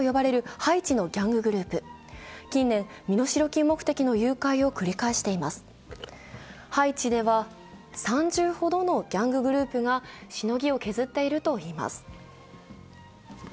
ハイチでは３０ほどのギャンググループがしのぎを削っているといいます。